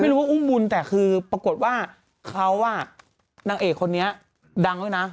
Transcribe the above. รู้ว่าอุ้มบุญแต่คือปรากฏว่าเขาอ่ะนางเอกคนนี้ดังด้วยนะ